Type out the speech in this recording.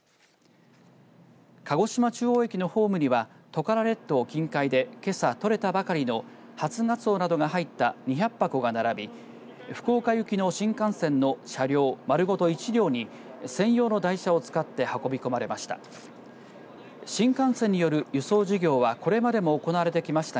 鹿児島中央駅のホームにはトカラ列島近海でけさ取れたばかりの初ガツオなどが入った２００箱が並び福岡行きの新幹線の車両丸ごと１両に専用の台車を使って運び込まれました。